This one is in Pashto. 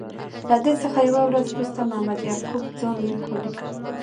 له دې څخه یوه ورځ وروسته محمد یعقوب خان لیک ولیکه.